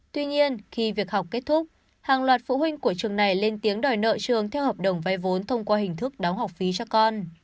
tuy nhiên khi việc học kết thúc hàng loạt phụ huynh của trường này lên tiếng đòi nợ trường theo hợp đồng vay vốn thông qua hình thức đóng học phí cho con